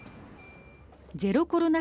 ゼロコロナ